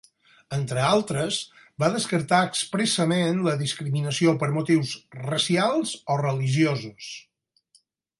Entre altres, va descartar expressament la discriminació per motius racials o religiosos.